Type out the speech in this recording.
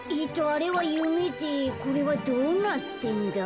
あれはゆめでこれはどうなってんだ？